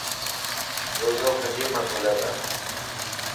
روز کجي مان کولي تا.